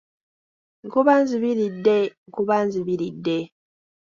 "Nkuba nzibiridde, nkuba nzibiridde."